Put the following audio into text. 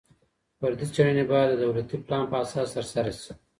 فردي څېړني باید د دولتي پلان په اساس ترسره سي.